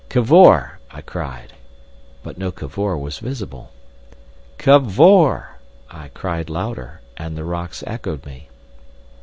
"Cavor!" I cried; but no Cavor was visible. "Cavor!" I cried louder, and the rocks echoed me.